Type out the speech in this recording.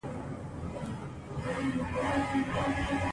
تاریخ یې ذکر نه دی سوی.